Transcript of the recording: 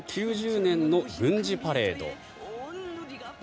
９０年の軍事パレード。